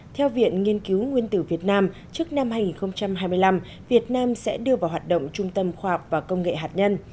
theo viện nghiên cứu nguyên tử việt nam trước năm hai nghìn hai mươi năm việt nam sẽ đưa vào hoạt động trung tâm khoa học và công nghệ hạt nhân